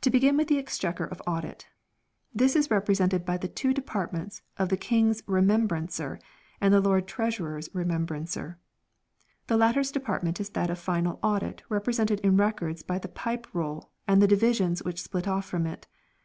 To begin with the Exchequer of Audit. This is in the early represented by the two departments of the King's Remembrancer and the Lord Treasurer's Remem brancer. The latter's department is that of final audit represented in Records by the Pipe Roll Audit, and the divisions which split off from it.